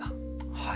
はい。